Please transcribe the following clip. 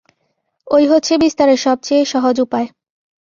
ঐ হচ্ছে বিস্তারের সব চেয়ে সহজ উপায়।